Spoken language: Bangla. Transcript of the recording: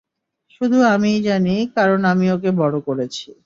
শুধু আমিই জানি, কারণ আমি ওকে বড় করেছি।